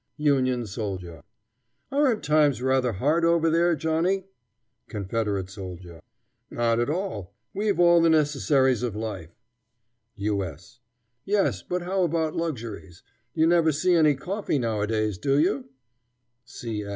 Union Soldier. Aren't times rather hard over there, Johnny? Confederate Soldier. Not at all. We've all the necessaries of life. U. S. Yes; but how about luxuries? You never see any coffee nowadays, do you?